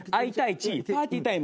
１「パーティータイム」